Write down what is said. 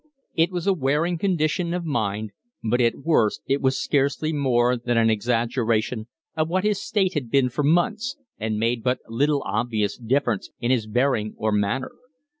It was a wearing condition of mind; but at worst it was scarcely more than an exaggeration of what his state had been for months, and made but little obvious difference in his bearing or manner.